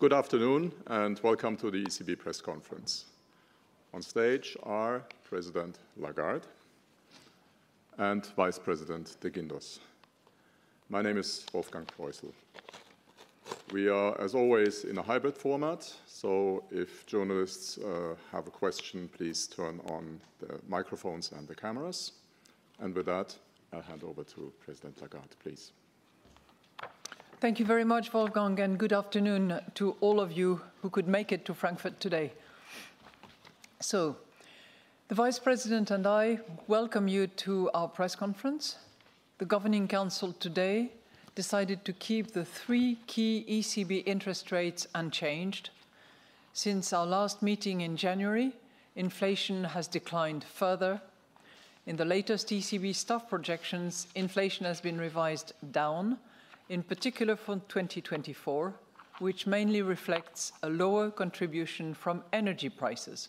Good afternoon and welcome to the ECB Press Conference. On stage are President Lagarde and Vice President de Guindos. My name is Wolfgang Proissl. We are, as always, in a hybrid format, so if journalists have a question, please turn on the microphones and the cameras. And with that, I'll hand over to President Lagarde, please. Thank you very much, Wolfgang, and good afternoon to all of you who could make it to Frankfurt today. So the Vice President and I welcome you to our press conference. The Governing Council today decided to keep the three key ECB interest rates unchanged. Since our last meeting in January, inflation has declined further. In the latest ECB staff projections, inflation has been revised down, in particular for 2024, which mainly reflects a lower contribution from energy prices.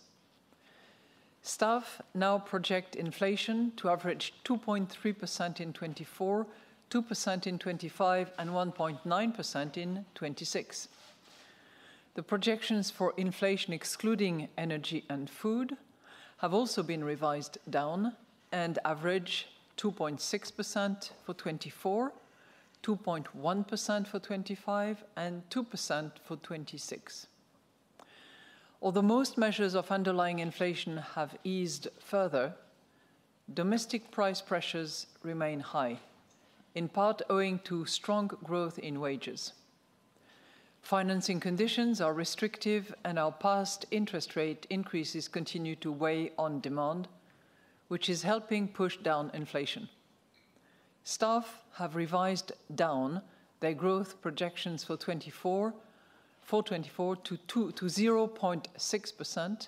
Staff now project inflation to average 2.3% in 2024, 2% in 2025, and 1.9% in 2026. The projections for inflation excluding energy and food have also been revised down and average 2.6% for 2024, 2.1% for 2025, and 2% for 2026. Although most measures of underlying inflation have eased further, domestic price pressures remain high, in part owing to strong growth in wages. Financing conditions are restrictive and our past interest rate increases continue to weigh on demand, which is helping push down inflation. Staff have revised down their growth projections for 2024 to 0.2%-0.6%,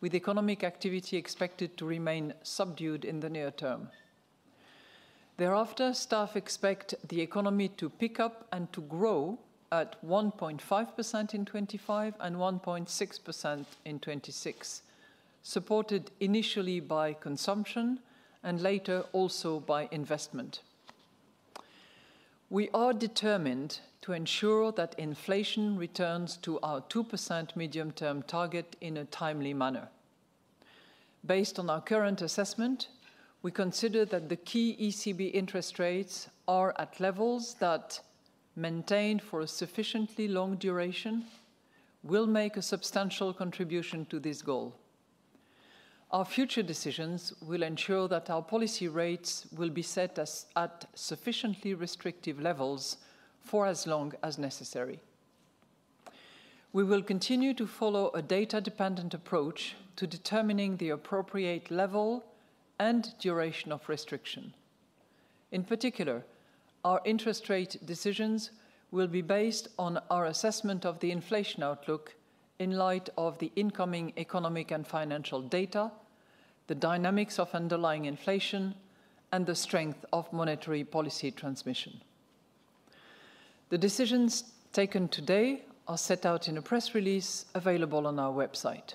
with economic activity expected to remain subdued in the near term. Thereafter, staff expect the economy to pick up and to grow at 1.5% in 2025 and 1.6% in 2026, supported initially by consumption and later also by investment. We are determined to ensure that inflation returns to our 2% medium-term target in a timely manner. Based on our current assessment, we consider that the key ECB interest rates are at levels that, maintained for a sufficiently long duration, will make a substantial contribution to this goal. Our future decisions will ensure that our policy rates will be set at sufficiently restrictive levels for as long as necessary. We will continue to follow a data-dependent approach to determining the appropriate level and duration of restriction. In particular, our interest rate decisions will be based on our assessment of the inflation outlook in light of the incoming economic and financial data, the dynamics of underlying inflation, and the strength of monetary policy transmission. The decisions taken today are set out in a press release available on our website.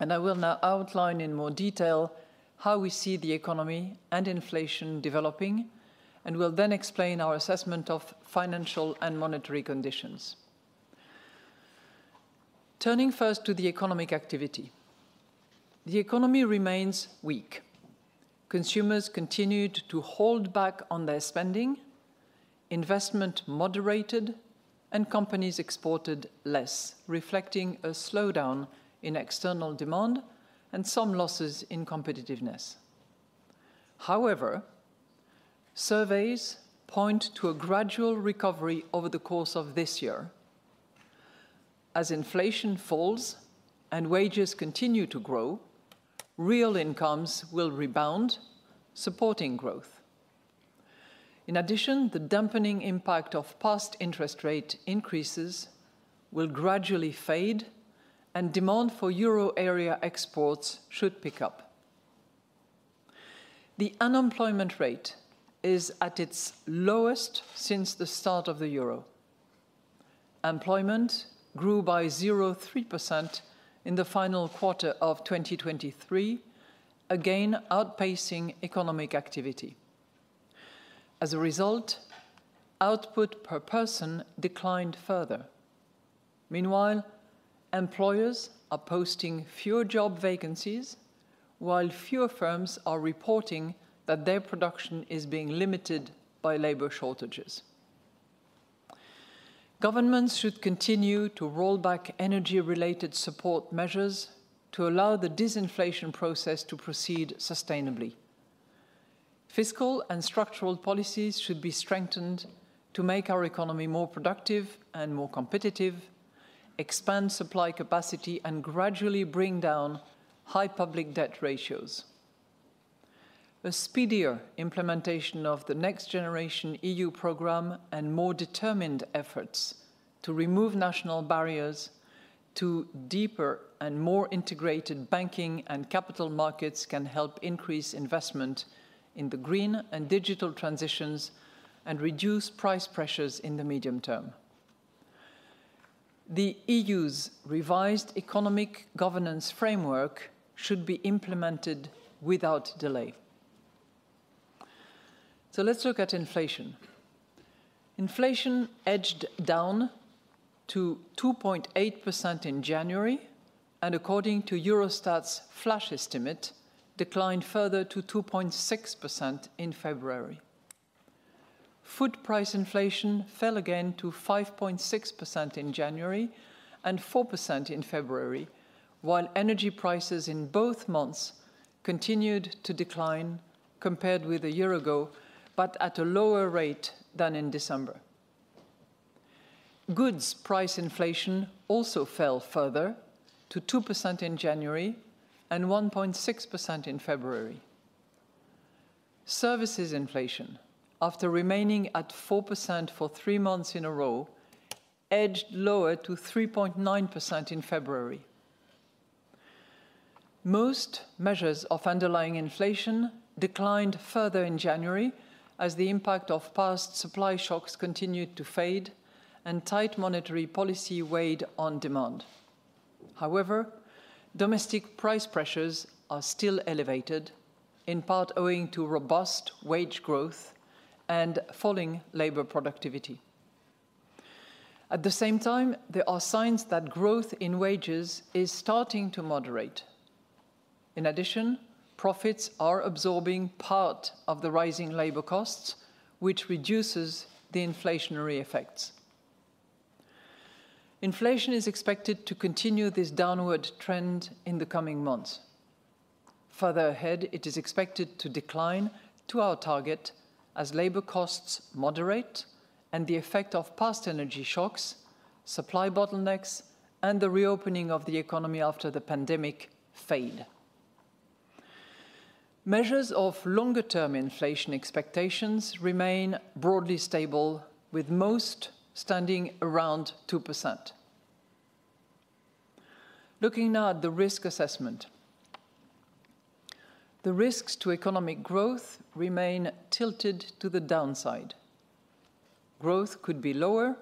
I will now outline in more detail how we see the economy and inflation developing, and we'll then explain our assessment of financial and monetary conditions. Turning first to the economic activity. The economy remains weak. Consumers continued to hold back on their spending, investment moderated, and companies exported less, reflecting a slowdown in external demand and some losses in competitiveness. However, surveys point to a gradual recovery over the course of this year. As inflation falls and wages continue to grow, real incomes will rebound, supporting growth. In addition, the dampening impact of past interest rate increases will gradually fade and demand for Euro area exports should pick up. The unemployment rate is at its lowest since the start of the euro. Employment grew by 0.3% in the final quarter of 2023, again outpacing economic activity. As a result, output per person declined further. Meanwhile, employers are posting fewer job vacancies, while fewer firms are reporting that their production is being limited by labor shortages. Governments should continue to roll back energy-related support measures to allow the disinflation process to proceed sustainably. Fiscal and structural policies should be strengthened to make our economy more productive and more competitive, expand supply capacity, and gradually bring down high public debt ratios. A speedier implementation of the Next Generation EU program and more determined efforts to remove national barriers to deeper and more integrated banking and capital markets can help increase investment in the green and digital transitions and reduce price pressures in the medium term. The EU's revised economic governance framework should be implemented without delay. Let's look at inflation. Inflation edged down to 2.8% in January and, according to Eurostat's flash estimate, declined further to 2.6% in February. Food price inflation fell again to 5.6% in January and 4% in February, while energy prices in both months continued to decline compared with a year ago, but at a lower rate than in December. Goods price inflation also fell further to 2% in January and 1.6% in February. Services inflation, after remaining at 4% for three months in a row, edged lower to 3.9% in February. Most measures of underlying inflation declined further in January as the impact of past supply shocks continued to fade and tight monetary policy weighed on demand. However, domestic price pressures are still elevated, in part owing to robust wage growth and falling labor productivity. At the same time, there are signs that growth in wages is starting to moderate. In addition, profits are absorbing part of the rising labor costs, which reduces the inflationary effects. Inflation is expected to continue this downward trend in the coming months. Further ahead, it is expected to decline to our target as labor costs moderate and the effect of past energy shocks, supply bottlenecks, and the reopening of the economy after the pandemic fade. Measures of longer-term inflation expectations remain broadly stable, with most standing around 2%. Looking now at the risk assessment. The risks to economic growth remain tilted to the downside. Growth could be lower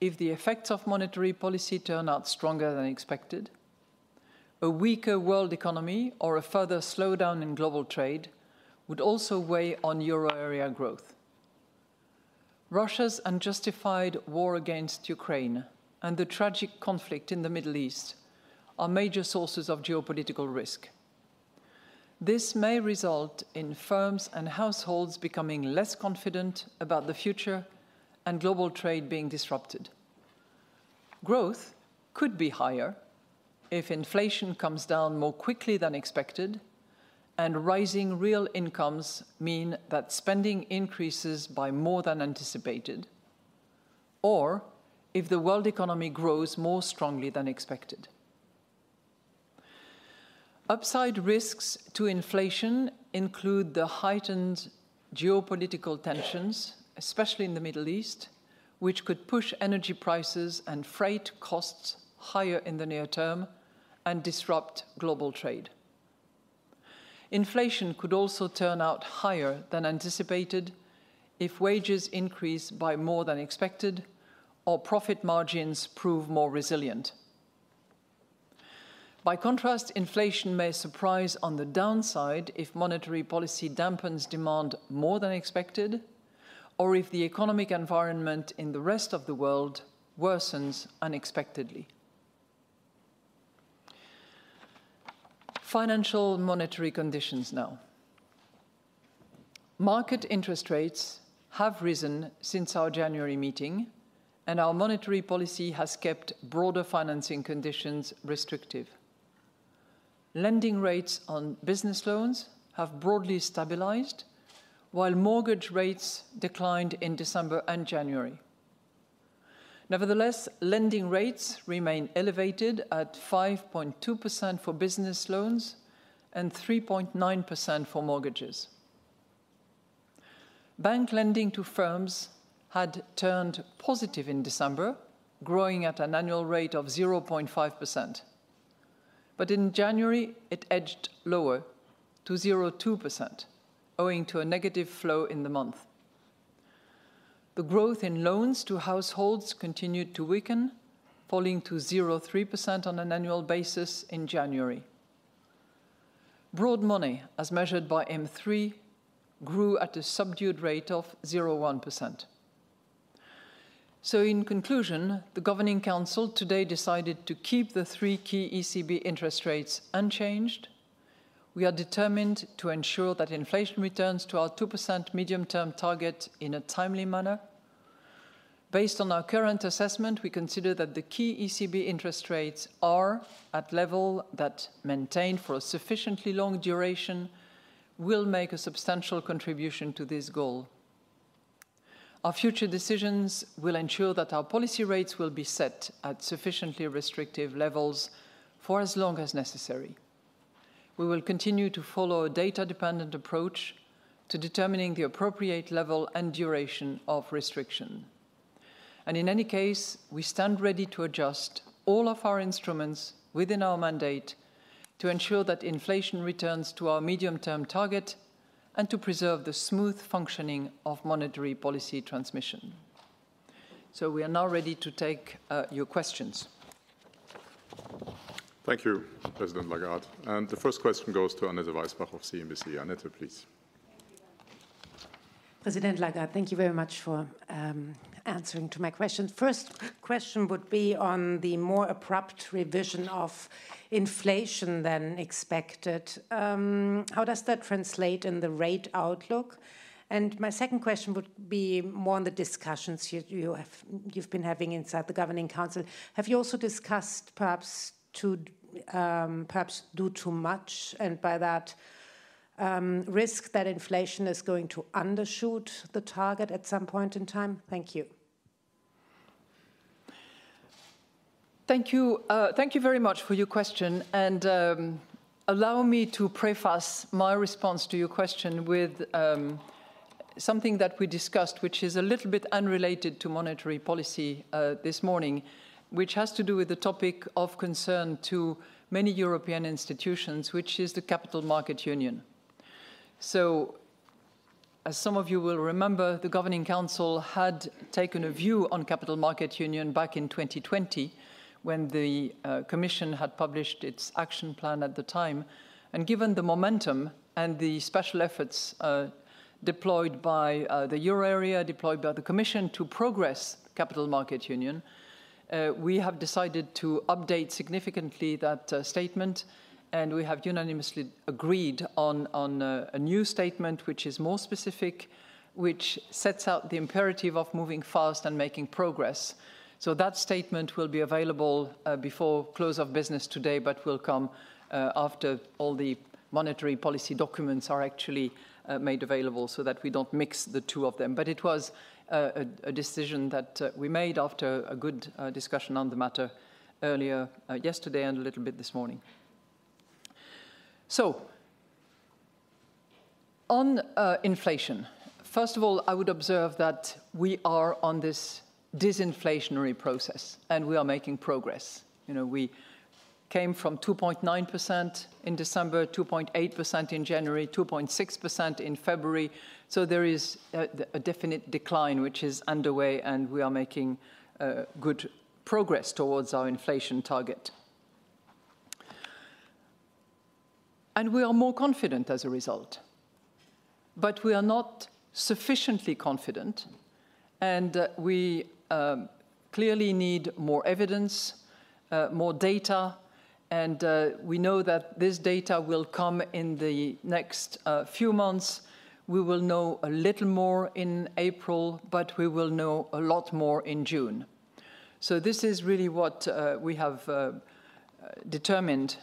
if the effects of monetary policy turn out stronger than expected. A weaker world economy or a further slowdown in global trade would also weigh on Euro area growth. Russia's unjustified war against Ukraine and the tragic conflict in the Middle East are major sources of geopolitical risk. This may result in firms and households becoming less confident about the future and global trade being disrupted. Growth could be higher if inflation comes down more quickly than expected and rising real incomes mean that spending increases by more than anticipated. Or if the world economy grows more strongly than expected. Upside risks to inflation include the heightened geopolitical tensions, especially in the Middle East, which could push energy prices and freight costs higher in the near term and disrupt global trade. Inflation could also turn out higher than anticipated if wages increase by more than expected or profit margins prove more resilient. By contrast, inflation may surprise on the downside if monetary policy dampens demand more than expected or if the economic environment in the rest of the world worsens unexpectedly. Financial and monetary conditions now. Market interest rates have risen since our January meeting, and our monetary policy has kept broader financing conditions restrictive. Lending rates on business loans have broadly stabilized, while mortgage rates declined in December and January. Nevertheless, lending rates remain elevated at 5.2% for business loans and 3.9% for mortgages. Bank lending to firms had turned positive in December, growing at an annual rate of 0.5%. In January, it edged lower to 0.2%, owing to a negative flow in the month. The growth in loans to households continued to weaken, falling to 0.3% on an annual basis in January. Broad money, as measured by M3, grew at a subdued rate of 0.1%. So in conclusion, the Governing Council today decided to keep the three key ECB interest rates unchanged. We are determined to ensure that inflation returns to our 2% medium-term target in a timely manner. Based on our current assessment, we consider that the key ECB interest rates are at a level that, maintained for a sufficiently long duration, will make a substantial contribution to this goal. Our future decisions will ensure that our policy rates will be set at sufficiently restrictive levels for as long as necessary. We will continue to follow a data-dependent approach to determining the appropriate level and duration of restriction. And in any case, we stand ready to adjust all of our instruments within our mandate to ensure that inflation returns to our medium-term target and to preserve the smooth functioning of monetary policy transmission. So we are now ready to take your questions. Thank you, President Lagarde. And the first question goes to Annette Weisbach of CNBC. Annette, please. Thank you, President Lagarde. Thank you very much for answering to my questions. First question would be on the more abrupt revision of inflation than expected. How does that translate in the rate outlook? And my second question would be more on the discussions you have you've been having inside the Governing Council. Have you also discussed perhaps too, perhaps do too much? And by that, risk that inflation is going to undershoot the target at some point in time? Thank you. Thank you. Thank you very much for your question. Allow me to prefast my response to your question with something that we discussed, which is a little bit unrelated to monetary policy, this morning, which has to do with the topic of concern to many European institutions, which is the Capital Markets Union. As some of you will remember, the Governing Council had taken a view on the Capital Markets Union back in 2020, when the Commission had published its action plan at the time. Given the momentum and the special efforts deployed by the Euro area, deployed by the Commission to progress the Capital Markets Union, we have decided to update significantly that statement. We have unanimously agreed on a new statement, which is more specific, which sets out the imperative of moving fast and making progress. So that statement will be available before close of business today, but will come after all the monetary policy documents are actually made available so that we don't mix the two of them. But it was a decision that we made after a good discussion on the matter earlier yesterday and a little bit this morning. On inflation, first of all, I would observe that we are on this disinflationary process and we are making progress. You know, we came from 2.9% in December, 2.8% in January, 2.6% in February. So there is a definite decline which is underway, and we are making good progress towards our inflation target. And we are more confident as a result. But we are not sufficiently confident, and we clearly need more evidence, more data. And we know that this data will come in the next few months. We will know a little more in April, but we will know a lot more in June. So this is really what we have determined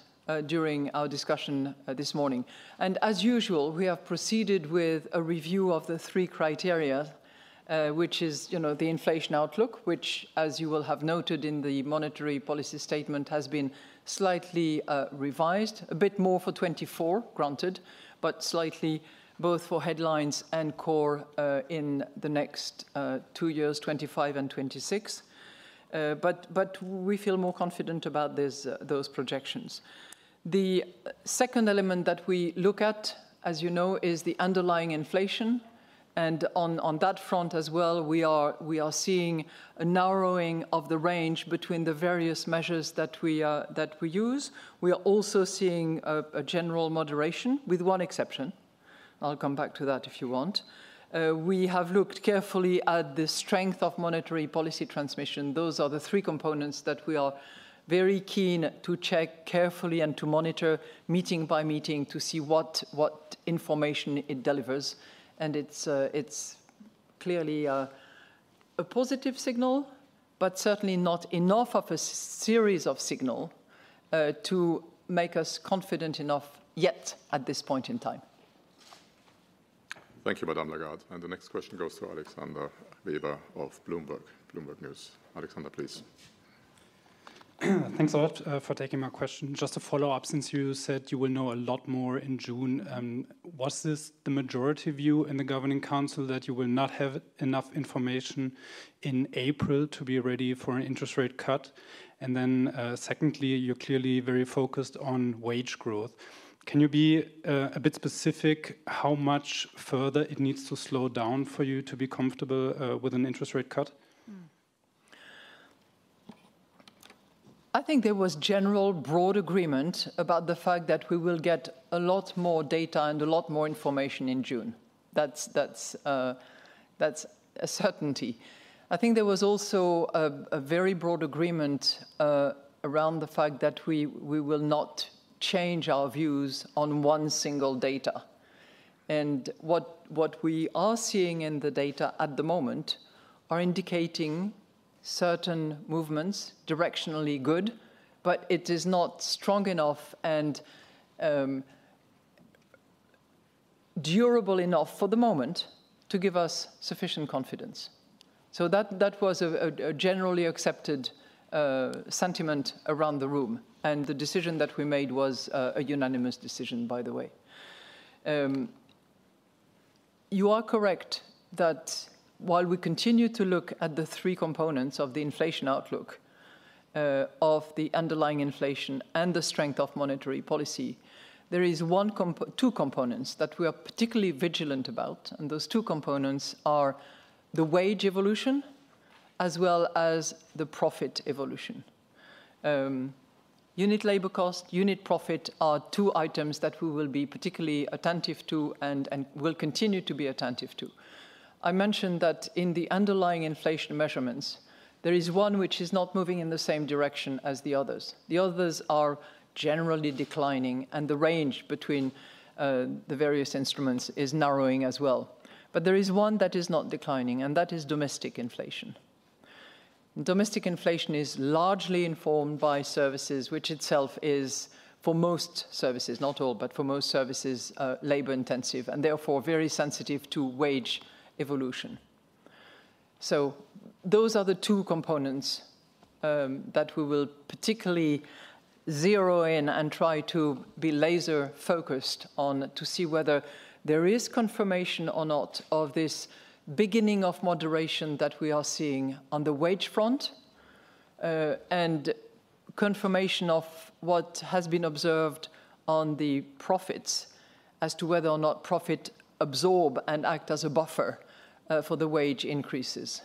during our discussion this morning. And as usual, we have proceeded with a review of the three criteria, which is, you know, the inflation outlook, which, as you will have noted in the monetary policy statement, has been slightly revised, a bit more for 2024, granted, but slightly both for headlines and core, in the next two years, 2025 and 2026. But we feel more confident about those projections. The second element that we look at, as you know, is the underlying inflation. And on that front as well, we are seeing a narrowing of the range between the various measures that we use. We are also seeing a general moderation with one exception. I'll come back to that if you want. We have looked carefully at the strength of monetary policy transmission. Those are the three components that we are very keen to check carefully and to monitor meeting by meeting to see what what information it delivers. And it's clearly a positive signal, but certainly not enough of a series of signals to make us confident enough yet at this point in time. Thank you, Madame Lagarde. And the next question goes to Alexander Weber of Bloomberg News. Alexander, please. Thanks a lot for taking my question. Just a follow-up. Since you said you will know a lot more in June, what's the majority view in the Governing Council that you will not have enough information in April to be ready for an interest rate cut? And then secondly, you're clearly very focused on wage growth. Can you be a bit specific how much further it needs to slow down for you to be comfortable with an interest rate cut? I think there was general broad agreement about the fact that we will get a lot more data and a lot more information in June. That's a certainty. I think there was also a very broad agreement around the fact that we will not change our views on one single data. And what we are seeing in the data at the moment are indicating certain movements directionally good, but it is not strong enough and durable enough for the moment to give us sufficient confidence. So that was a generally accepted sentiment around the room. And the decision that we made was a unanimous decision, by the way. You are correct that while we continue to look at the three components of the inflation outlook, of the underlying inflation and the strength of monetary policy, there is one two components that we are particularly vigilant about. And those two components are the wage evolution as well as the profit evolution. Unit labor cost, unit profit are two items that we will be particularly attentive to and will continue to be attentive to. I mentioned that in the underlying inflation measurements, there is one which is not moving in the same direction as the others. The others are generally declining, and the range between, the various instruments is narrowing as well. But there is one that is not declining, and that is domestic inflation. Domestic inflation is largely informed by services, which itself is for most services, not all, but for most services, labor intensive and therefore very sensitive to wage evolution. So those are the two components that we will particularly zero in and try to be laser focused on to see whether there is confirmation or not of this beginning of moderation that we are seeing on the wage front, and confirmation of what has been observed on the profits as to whether or not profit absorb and act as a buffer for the wage increases.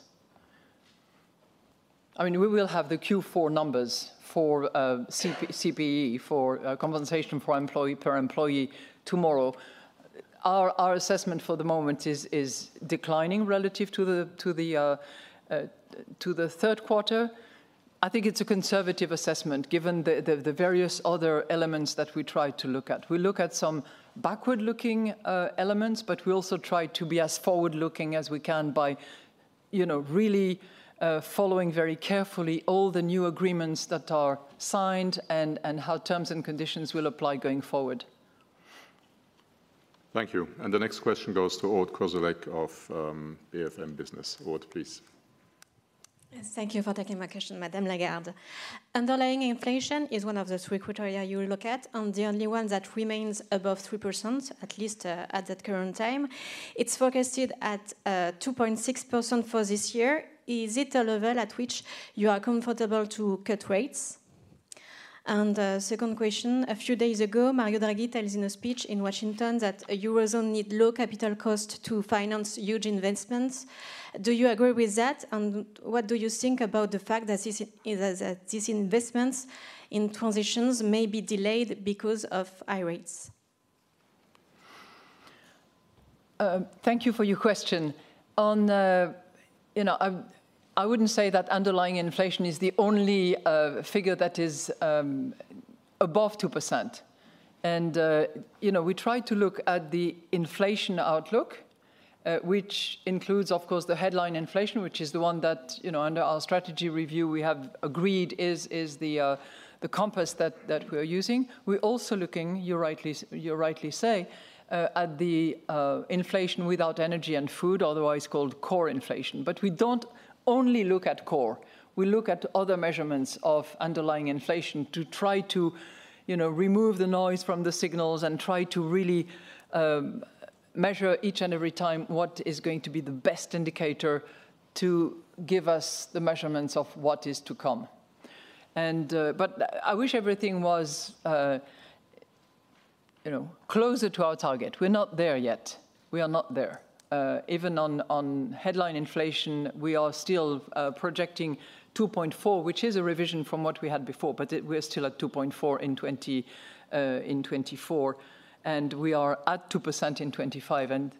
I mean, we will have the Q4 numbers for CPE, for compensation for employee per employee tomorrow. Our assessment for the moment is declining relative to the third quarter. I think it's a conservative assessment given the various other elements that we try to look at. We look at some backward-looking elements, but we also try to be as forward-looking as we can by, you know, really following very carefully all the new agreements that are signed and how terms and conditions will apply going forward. Thank you. And the next question goes to Ole Gulsvik of BFM Business. Ole, please. Thank you for taking my question, Madame Lagarde. Underlying inflation is one of the three criteria you look at, and the only one that remains above 3%, at least at the current time. It's focused at 2.6% for this year. Is it a level at which you are comfortable to cut rates? And the second question, a few days ago, Mario Draghi tells in a speech in Washington that the eurozone needs low capital costs to finance huge investments. Do you agree with that? What do you think about the fact that these investments in transitions may be delayed because of high rates? Thank you for your question. You know, I wouldn't say that underlying inflation is the only figure that is above 2%. You know, we try to look at the inflation outlook, which includes, of course, the headline inflation, which is the one that, you know, under our strategy review we have agreed is the compass that we are using. We're also looking, you rightly say, at the inflation without energy and food, otherwise called core inflation. But we don't only look at core. We look at other measurements of underlying inflation to try to, you know, remove the noise from the signals and try to really measure each and every time what is going to be the best indicator to give us the measurements of what is to come. But I wish everything was, you know, closer to our target. We're not there yet. We are not there. Even on headline inflation, we are still projecting 2.4%, which is a revision from what we had before, but we're still at 2.4% in 2024, and we are at 2% in 2025. And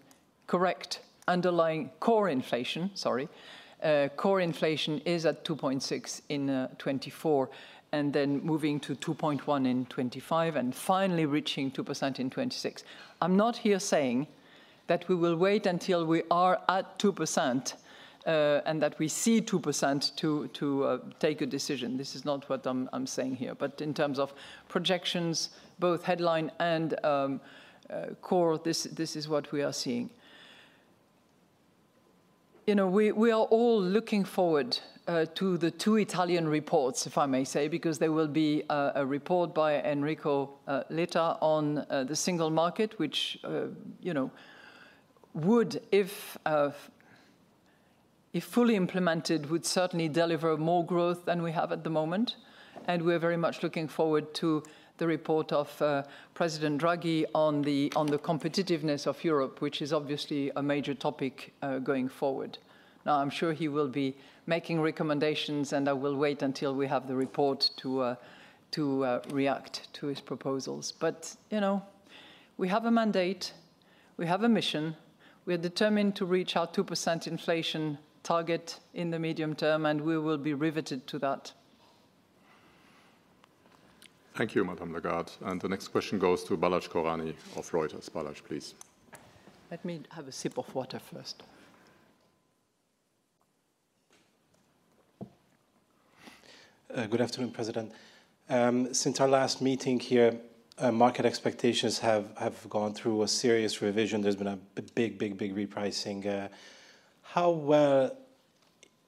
correct, underlying core inflation. Sorry. Core inflation is at 2.6% in 2024 and then moving to 2.1% in 2025 and finally reaching 2% in 2026. I'm not here saying that we will wait until we are at 2% and that we see 2% to take a decision. This is not what I'm saying here. But in terms of projections, both headline and core, this is what we are seeing. You know, we are all looking forward to the two Italian reports, if I may say, because there will be a report by Enrico Letta on the single market, which, you know, would, if fully implemented, would certainly deliver more growth than we have at the moment. And we are very much looking forward to the report of President Draghi on the competitiveness of Europe, which is obviously a major topic going forward. Now, I'm sure he will be making recommendations, and I will wait until we have the report to react to his proposals. But, you know, we have a mandate, we have a mission. We are determined to reach our 2% inflation target in the medium term, and we will be riveted to that. Thank you, Madame Lagarde. The next question goes to Balazs Koranyi of Reuters. Balazs, please. Let me have a sip of water first. Good afternoon, President. Since our last meeting here, market expectations have gone through a serious revision. There's been a big, big, big repricing. How well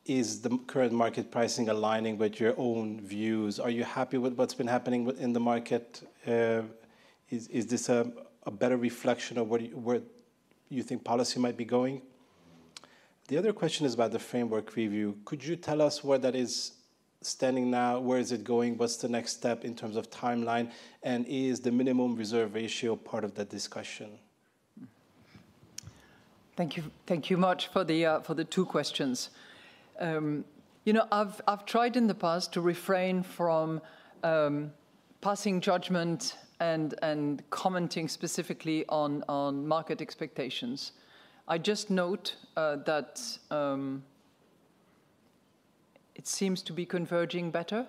is the current market pricing aligning with your own views? Are you happy with what's been happening in the market? Is this a better reflection of where you think policy might be going? The other question is about the framework review. Could you tell us where that is standing now? Where is it going? What's the next step in terms of timeline? And is the minimum reserve ratio part of that discussion? Thank you. Thank you much for the two questions. You know, I've tried in the past to refrain from passing judgment and commenting specifically on market expectations. I just note that. It seems to be converging better,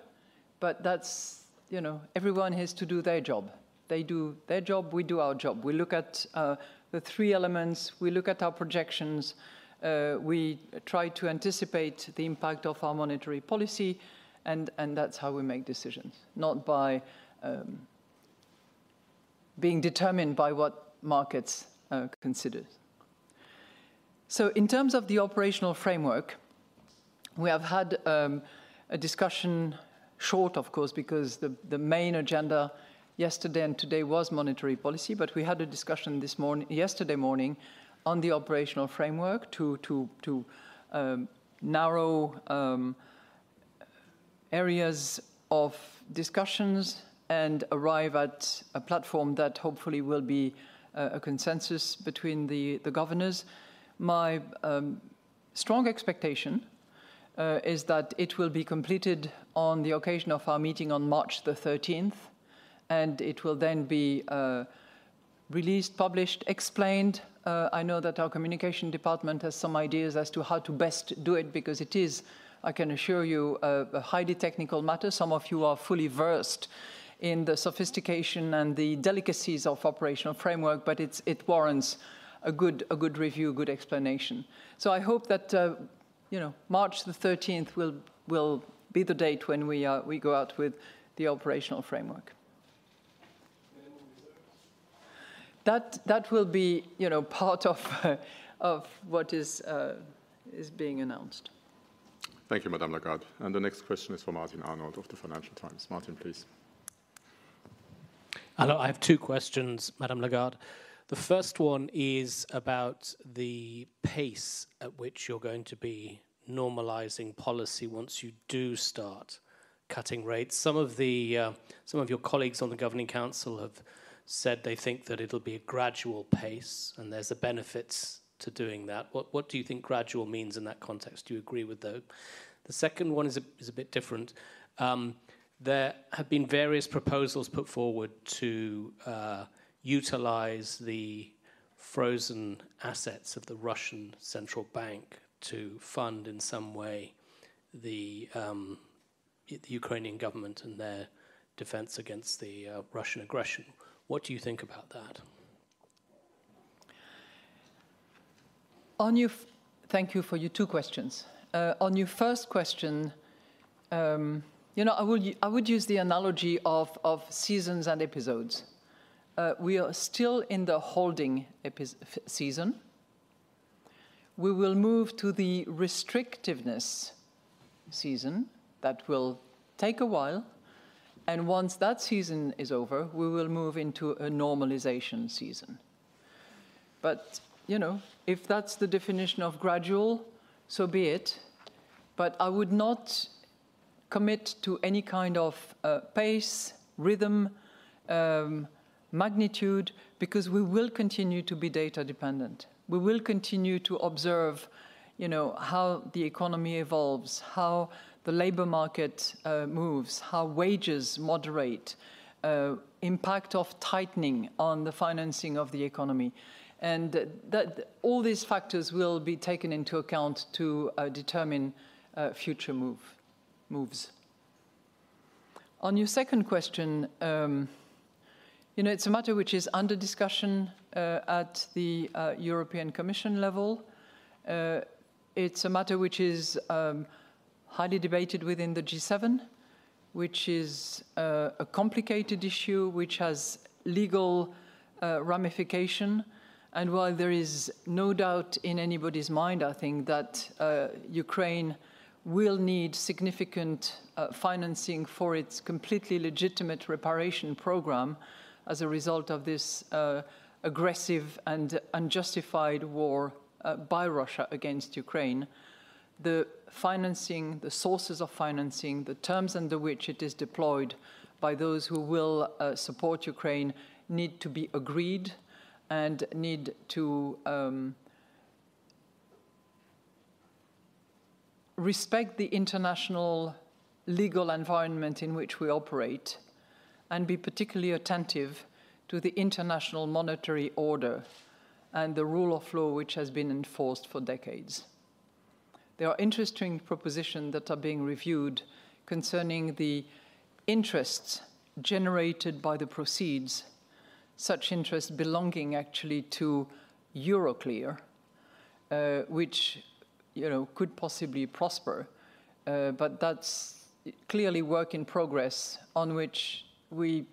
but that's, you know, everyone has to do their job. They do their job. We do our job. We look at the three elements. We look at our projections. We try to anticipate the impact of our monetary policy. And that's how we make decisions, not by being determined by what markets consider. So in terms of the operational framework, we have had a short discussion, of course, because the main agenda yesterday and today was monetary policy. But we had a discussion this morning, yesterday morning, on the operational framework to narrow. Areas of discussions and arrive at a platform that hopefully will be a consensus between the governors. My strong expectation is that it will be completed on the occasion of our meeting on March the 13th, and it will then be released, published, explained. I know that our communication department has some ideas as to how to best do it, because it is, I can assure you, a highly technical matter. Some of you are fully versed in the sophistication and the delicacies of operational framework, but it warrants a good review, a good explanation. So I hope that, you know, March the 13th will be the date when we go out with the operational framework. That will be, you know, part of what is being announced. Thank you, Madame Lagarde. The next question is for Martin Arnold of the Financial Times. Martin, please. Hello. I have two questions, Madame Lagarde. The first one is about the pace at which you're going to be normalizing policy once you do start cutting rates. Some of your colleagues on the Governing Council have said they think that it'll be a gradual pace and there's a benefit to doing that. What do you think gradual means in that context? Do you agree with that? The second one is a bit different. There have been various proposals put forward to utilize the frozen assets of the Russian Central Bank to fund in some way the Ukrainian government and their defense against the Russian aggression. What do you think about that? On you. Thank you for your two questions. On your first question, you know, I would use the analogy of seasons and episodes. We are still in the holding season. We will move to the restrictiveness season that will take a while. And once that season is over, we will move into a normalization season. But, you know, if that's the definition of gradual, so be it. But I would not commit to any kind of pace, rhythm, magnitude, because we will continue to be data dependent. We will continue to observe, you know, how the economy evolves, how the labor market moves, how wages moderate, the impact of tightening on the financing of the economy. And that all these factors will be taken into account to determine future moves. On your second question, you know, it's a matter which is under discussion at the European Commission level. It's a matter which is highly debated within the G7, which is a complicated issue, which has legal ramifications. And while there is no doubt in anybody's mind, I think that Ukraine will need significant financing for its completely legitimate reparation program as a result of this aggressive and unjustified war by Russia against Ukraine. The financing, the sources of financing, the terms under which it is deployed by those who will support Ukraine need to be agreed and need to respect the international legal environment in which we operate and be particularly attentive to the international monetary order and the rule of law which has been enforced for decades. There are interesting propositions that are being reviewed concerning the interests generated by the proceeds, such interests belonging actually to Euroclear, which, you know, could possibly prosper. But that's clearly work in progress on which we,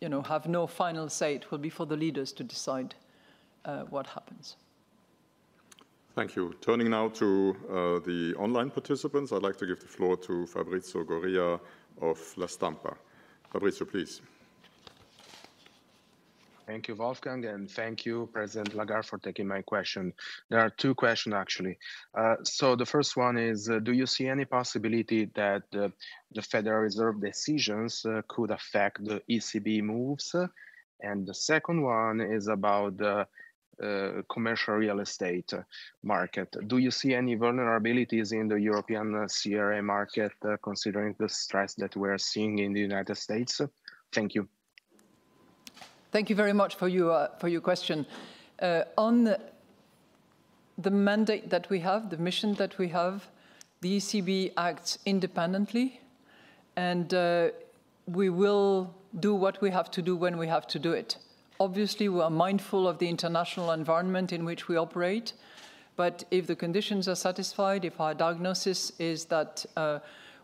you know, have no final say. It will be for the leaders to decide what happens. Thank you. Turning now to the online participants, I'd like to give the floor to Fabrizio Goria of La Stampa. Fabrizio, please. Thank you, Wolfgang. And thank you, President Lagarde, for taking my question. There are two questions, actually. So the first one is, do you see any possibility that the Federal Reserve decisions could affect the ECB moves? And the second one is about the commercial real estate market. Do you see any vulnerabilities in the European CRE market considering the stress that we are seeing in the United States? Thank you. Thank you very much for your question. On the mandate that we have, the mission that we have, the ECB acts independently and we will do what we have to do when we have to do it. Obviously, we are mindful of the international environment in which we operate. But if the conditions are satisfied, if our diagnosis is that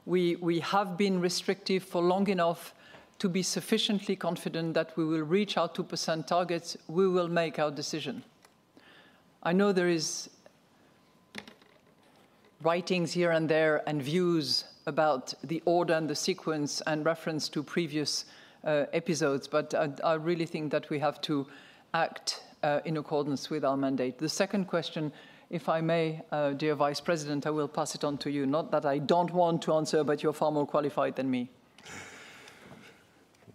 we have been restrictive for long enough to be sufficiently confident that we will reach our 2% targets, we will make our decision. I know there are writings here and there and views about the order and the sequence and reference to previous episodes, but I really think that we have to act in accordance with our mandate. The second question, if I may, dear Vice President, I will pass it on to you. Not that I don't want to answer, but you're far more qualified than me.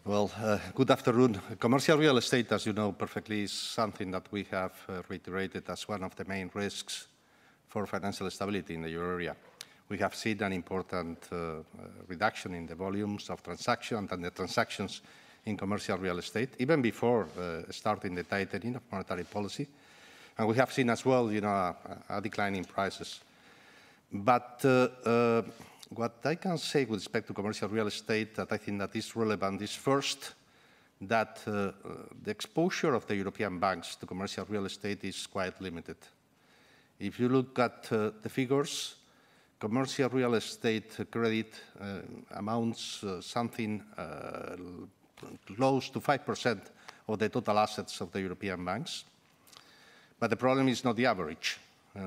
Well, good afternoon. Commercial real estate, as you know perfectly, is something that we have reiterated as one of the main risks for financial stability in the Euro area. We have seen an important reduction in the volumes of transactions and the transactions in commercial real estate even before starting the tightening of monetary policy. We have seen as well, you know, a decline in prices. What I can say with respect to commercial real estate, that I think that is relevant, is first that the exposure of the European banks to commercial real estate is quite limited. If you look at the figures, commercial real estate credit amounts something close to 5% of the total assets of the European banks. The problem is not the average.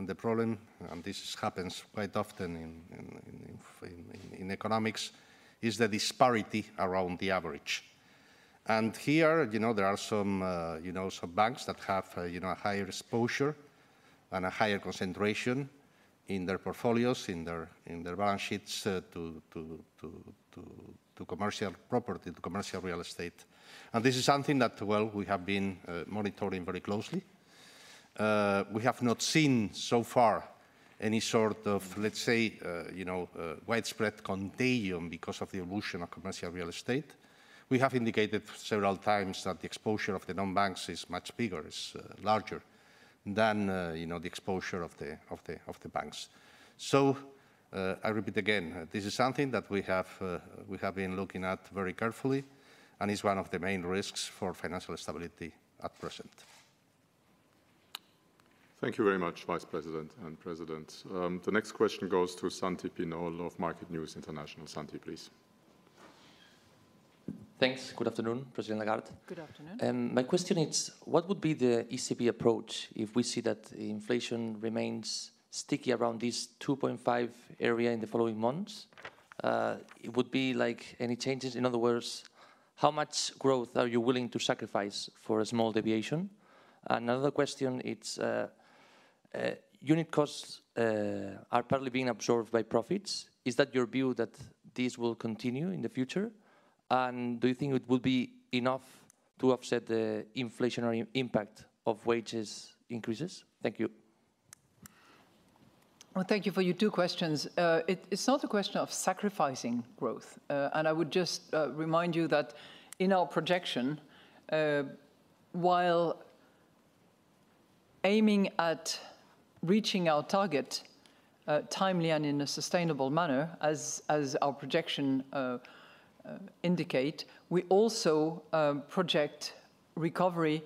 The problem, and this happens quite often in economics, is the disparity around the average. Here, you know, there are some, you know, some banks that have, you know, a higher exposure and a higher concentration in their portfolios, in their balance sheets to commercial property, to commercial real estate. This is something that, well, we have been monitoring very closely. We have not seen so far any sort of, let's say, you know, widespread contagion because of the evolution of commercial real estate. We have indicated several times that the exposure of the non-banks is much bigger, is larger than, you know, the exposure of the banks. So I repeat again, this is something that we have been looking at very carefully and is one of the main risks for financial stability at present. Thank you very much, Vice President and President. The next question goes to Santi Piñol of Market News International. Santi, please. Thanks. Good afternoon, President Lagarde. Good afternoon. My question is, what would be the ECB approach if we see that inflation remains sticky around this 2.5 area in the following months? It would be like any changes. In other words, how much growth are you willing to sacrifice for a small deviation? And another question, it's unit costs are probably being absorbed by profits. Is that your view that this will continue in the future? And do you think it would be enough to offset the inflationary impact of wages increases? Thank you. Well, thank you for your two questions. It's not a question of sacrificing growth. And I would just remind you that in our projection, while. Aiming at reaching our target timely and in a sustainable manner, as our projection indicates, we also project recovery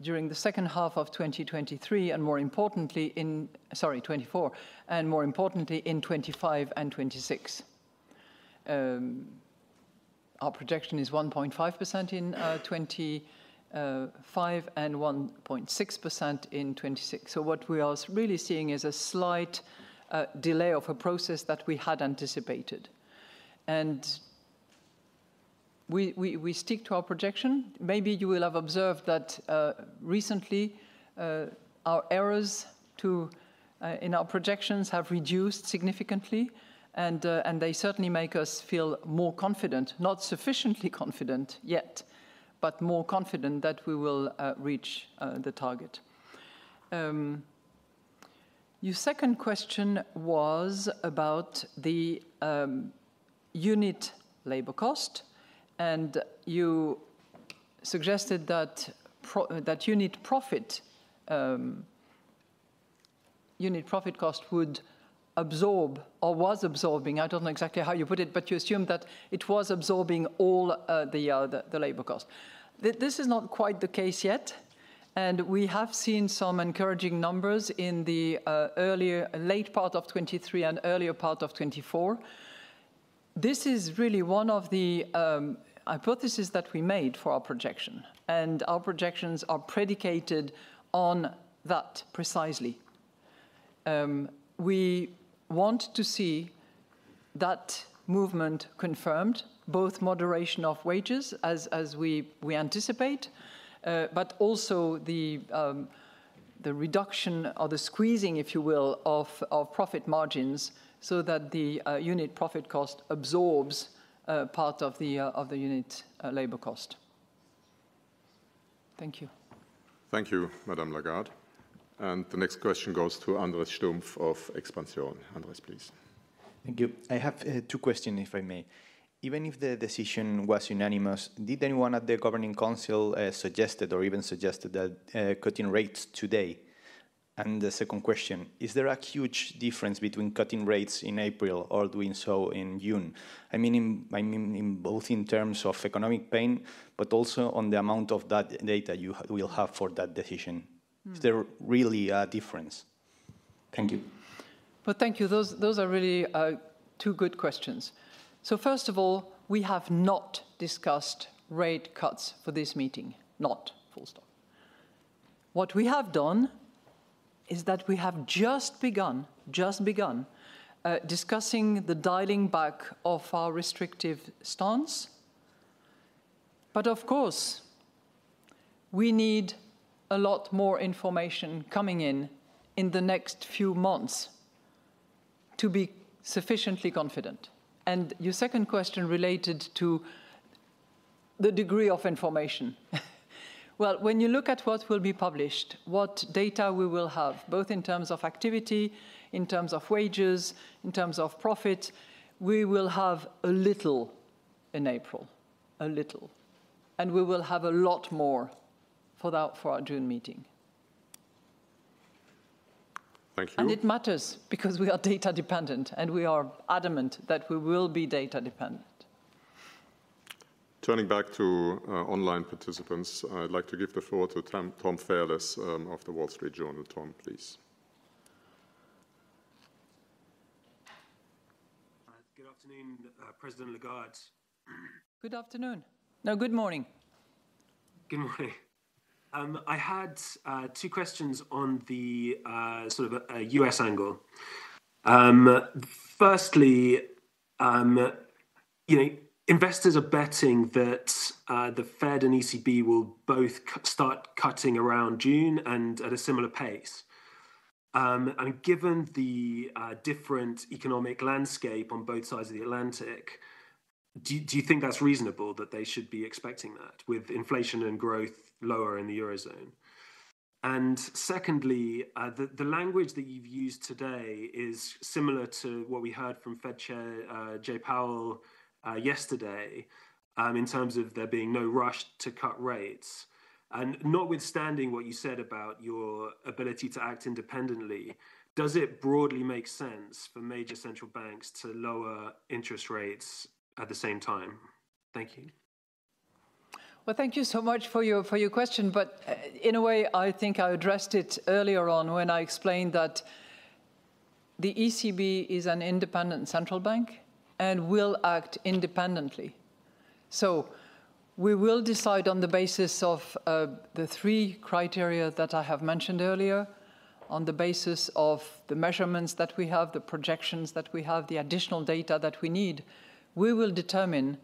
during the second half of 2023 and more importantly in, sorry, 2024 and more importantly in 2025 and 2026. Our projection is 1.5% in 2025 and 1.6% in 2026. So what we are really seeing is a slight delay of a process that we had anticipated. We stick to our projection. Maybe you will have observed that recently our errors in our projections have reduced significantly and they certainly make us feel more confident, not sufficiently confident yet, but more confident, that we will reach the target. Your second question was about the unit labor cost, and you suggested that unit profit cost would absorb or was absorbing. I don't know exactly how you put it, but you assume that it was absorbing all the other labor costs. This is not quite the case yet, and we have seen some encouraging numbers in the earlier late part of 2023 and earlier part of 2024. This is really one of the hypotheses that we made for our projection, and our projections are predicated on that precisely. We want to see that movement confirmed both moderation of wages as we anticipate, but also the reduction or the squeezing, if you will, of profit margins so that the unit profit cost absorbs part of the unit labor cost. Thank you. Thank you, Madame Lagarde. And the next question goes to Andrés Stumpf of Expansión. Andrés, please. Thank you. I have two questions, if I may. Even if the decision was unanimous, did anyone at the Governing Council suggested or even suggested that cutting rates today? And the second question, is there a huge difference between cutting rates in April or doing so in June? I mean, I mean both in terms of economic pain, but also on the amount of that data you will have for that decision. Is there really a difference? Thank you. But thank you. Those are really two good questions. So first of all, we have not discussed rate cuts for this meeting. Not full stop. What we have done is that we have just begun, just begun discussing the dialing back of our restrictive stance. But of course, we need a lot more information coming in in the next few months to be sufficiently confident. And your second question related to the degree of information. Well, when you look at what will be published, what data we will have both in terms of activity, in terms of wages, in terms of profit, we will have a little in April, a little, and we will have a lot more for that for our June meeting. Thank you. And it matters because we are data dependent and we are adamant that we will be data dependent. Turning back to online participants, I'd like to give the floor to Tom Fairless of The Wall Street Journal. Tom, please. Good afternoon, President Lagarde. Good afternoon. No, good morning. Good morning. I had two questions on the sort of U.S. angle. Firstly, you know, investors are betting that the Fed and ECB will both start cutting around June and at a similar pace. And given the different economic landscape on both sides of the Atlantic, do you think that's reasonable that they should be expecting that with inflation and growth lower in the eurozone? And secondly, the language that you've used today is similar to what we heard from Fed Chair Jay Powell yesterday in terms of there being no rush to cut rates and notwithstanding what you said about your ability to act independently. Does it broadly make sense for major central banks to lower interest rates at the same time? Thank you. Well, thank you so much for your question. But in a way, I think I addressed it earlier on when I explained that. The ECB is an independent central bank and will act independently. So we will decide on the basis of the three criteria that I have mentioned earlier, on the basis of the measurements that we have, the projections that we have, the additional data that we need, we will determine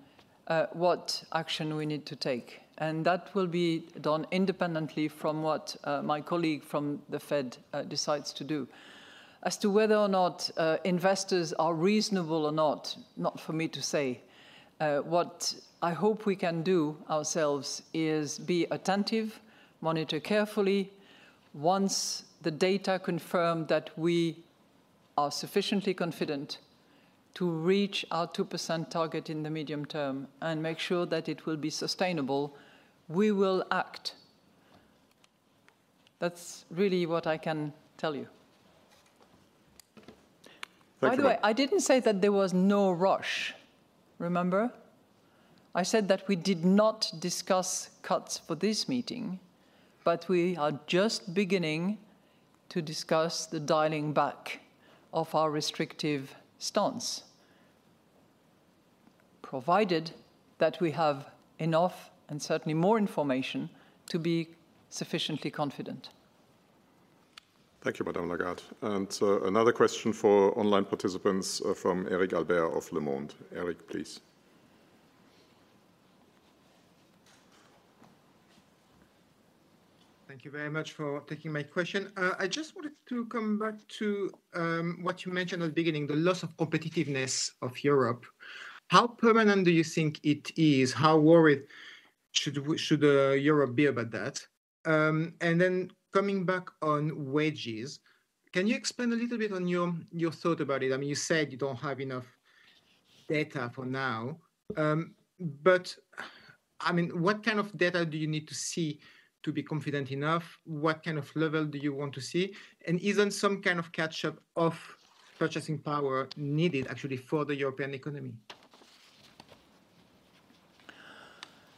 what action we need to take. That will be done independently from what my colleague from the Fed decides to do as to whether or not investors are reasonable or not. Not for me to say. What I hope we can do ourselves is be attentive, monitor carefully. Once the data confirm that we are sufficiently confident to reach our 2% target in the medium term and make sure that it will be sustainable, we will act. That's really what I can tell you. By the way, I didn't say that there was no rush. Remember, I said that we did not discuss cuts for this meeting, but we are just beginning to discuss the dialing back of our restrictive stance, provided that we have enough and certainly more information to be sufficiently confident. Thank you, Madame Lagarde. And another question for online participants from Eric Albert of Le Monde. Eric, please. Thank you very much for taking my question. I just wanted to come back to what you mentioned at the beginning, the loss of competitiveness of Europe. How permanent do you think it is? How worried should we Europe be about that? And then coming back on wages, can you explain a little bit on your thought about it? I mean, you said you don't have enough data for now. But I mean, what kind of data do you need to see to be confident enough? What kind of level do you want to see? And isn't some kind of catch-up of purchasing power needed actually for the European economy?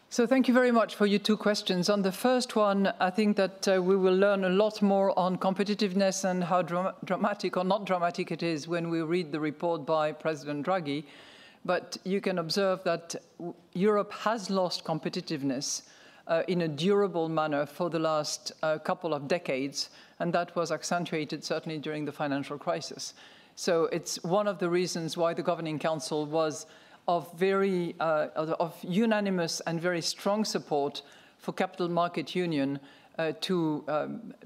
So thank you very much for your two questions. On the first one, I think that we will learn a lot more on competitiveness and how dramatic or not dramatic it is when we read the report by President Draghi. But you can observe that Europe has lost competitiveness in a durable manner for the last couple of decades. And that was accentuated certainly during the financial crisis. So it's one of the reasons why the Governing Council was very unanimous and very strong support for Capital Market Union to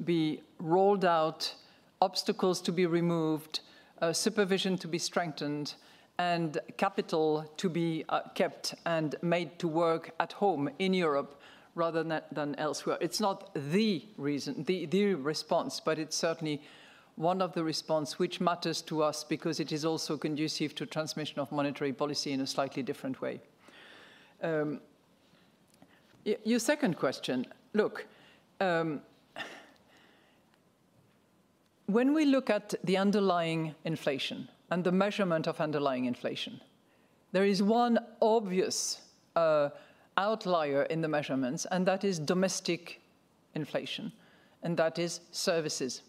be rolled out, obstacles to be removed, supervision to be strengthened, and capital to be kept and made to work at home in Europe rather than elsewhere. It's not the reason, the response, but it's certainly one of the responses which matters to us because it is also conducive to transmission of monetary policy in a slightly different way. Your second question, look. When we look at the underlying inflation and the measurement of underlying inflation, there is one obvious outlier in the measurements, and that is domestic inflation, and that is services.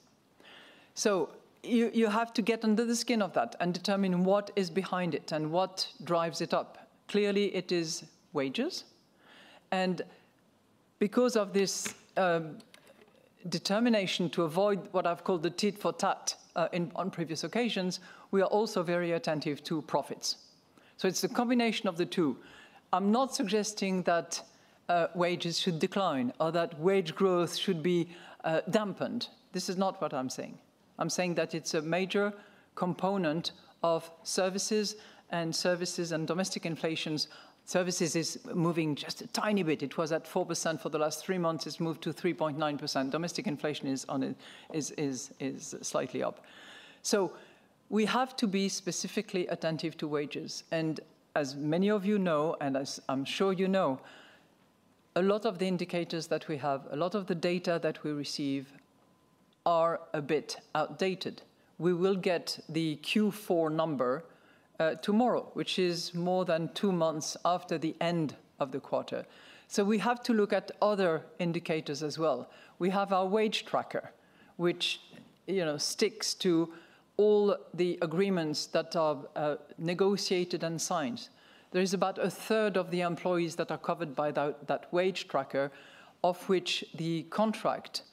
So you have to get under the skin of that and determine what is behind it and what drives it up. Clearly, it is wages. And because of this determination to avoid what I've called the tit for tat on previous occasions, we are also very attentive to profits. So it's a combination of the two. I'm not suggesting that wages should decline or that wage growth should be dampened. This is not what I'm saying. I'm saying that it's a major component of services and services and domestic inflations. Services is moving just a tiny bit. It was at 4% for the last three months. It's moved to 3.9%. Domestic inflation is on it, is slightly up. So we have to be specifically attentive to wages. And as many of you know, and as I'm sure you know, a lot of the indicators that we have, a lot of the data that we receive are a bit outdated. We will get the Q4 number tomorrow, which is more than two months after the end of the quarter. So we have to look at other indicators as well. We have our wage tracker, which, you know, sticks to all the agreements that are negotiated and signed. There is about a third of the employees that are covered by that wage tracker, of which the contract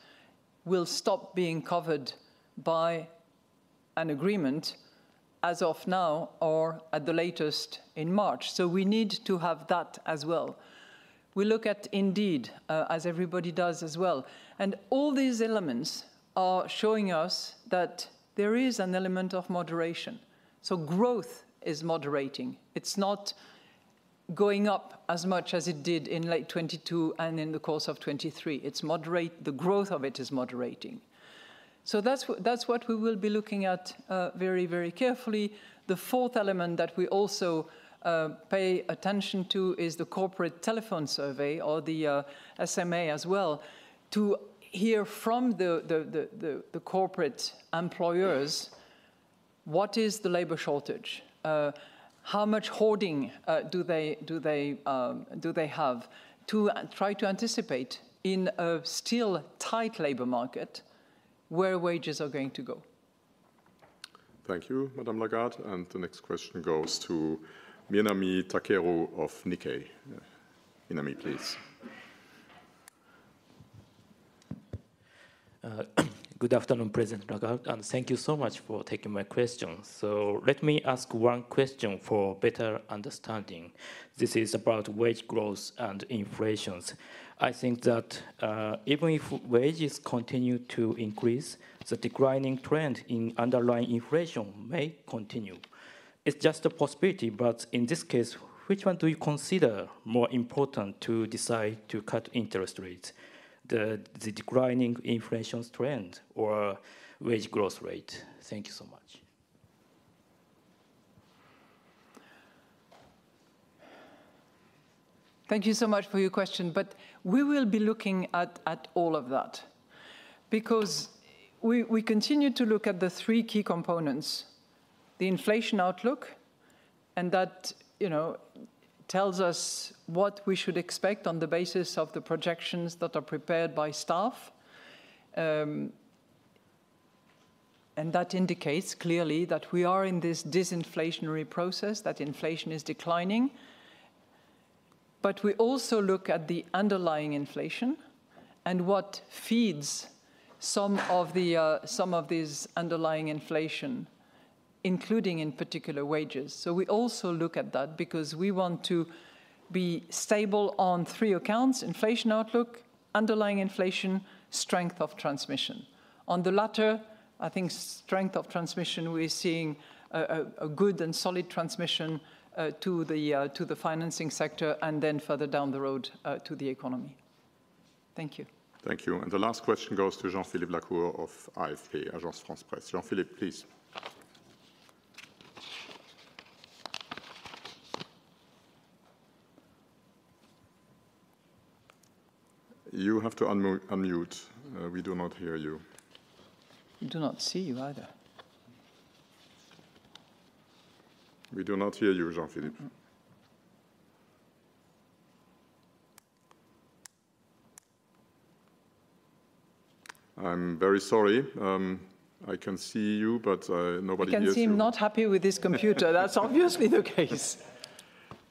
will stop being covered by an agreement as of now or at the latest in March. So we need to have that as well. We look at indeed, as everybody does as well, and all these elements are showing us that there is an element of moderation. So growth is moderating. It's not going up as much as it did in late 2022 and in the course of 2023. It's moderate. The growth of it is moderating. So that's what we will be looking at very, very carefully. The fourth element that we also pay attention to is the corporate telephone survey or the SMA as well, to hear from the corporate employers. What is the labor shortage? How much hoarding do they do? Do they have to try to anticipate in a still tight labor market where wages are going to go? Thank you, Madame Lagarde. And the next question goes to Takahiro Minami of Nikkei. Minami, please. Good afternoon, President Lagarde. And thank you so much for taking my question. So let me ask one question for better understanding. This is about wage growth and inflations. I think that even if wages continue to increase, the declining trend in underlying inflation may continue. It's just a possibility. But in this case, which one do you consider more important to decide to cut interest rates, the declining inflation trend or wage growth rate? Thank you so much. Thank you so much for your question. But we will be looking at all of that because we continue to look at the three key components, the inflation outlook. And that, you know, tells us what we should expect on the basis of the projections that are prepared by staff. And that indicates clearly that we are in this disinflationary process, that inflation is declining. But we also look at the underlying inflation and what feeds some of the some of this underlying inflation, including in particular wages. So we also look at that because we want to be stable on three accounts: inflation outlook, underlying inflation, strength of transmission. On the latter, I think strength of transmission. We are seeing a good and solid transmission to the to the financing sector and then further down the road to the economy. Thank you. Thank you. And the last question goes to Jean-Philippe Lacour of AFP, Agence France-Presse. Jean-Philippe, please. You have to unmute. We do not hear you. I do not see you either. We do not hear you, Jean-Philippe. I'm very sorry. I can see you, but nobody can see him. Not happy with this computer. That's obviously the case.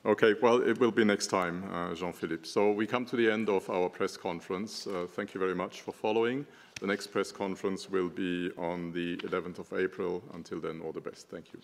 Okay, well, it will be next time, Jean-Philippe. So we come to the end of our press conference. Thank you very much for following. The next press conference will be on the 11th of April. Until then, all the best. Thank you.